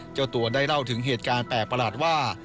เจ้าตัวได้เล่าถึงเหตุการณ์แปลกประหลาดว่า